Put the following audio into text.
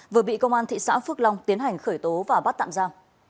vừa bị công an thị xã phước long tiến hành khởi tố và bắt tạm ra